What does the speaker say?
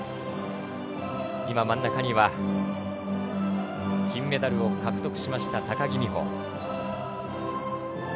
今、真ん中には金メダルを獲得した高木美帆。